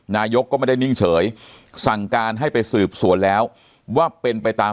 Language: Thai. นายกก็ไม่ได้นิ่งเฉยสั่งการให้ไปสืบสวนแล้วว่าเป็นไปตาม